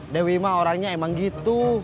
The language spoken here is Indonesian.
dewi mah orangnya emang gitu